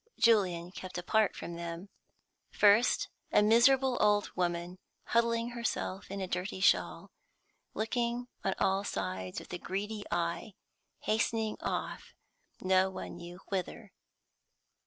Julian kept apart from them. First, a miserable old woman, huddling herself in a dirty shawl; looking on all sides with a greedy eye; hastening off no one knew whither.